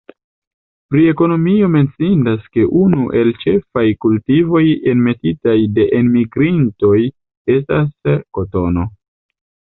Pri ekonomio menciindas ke unu el ĉefaj kultivoj enmetitaj de enmigrintoj estas kotono.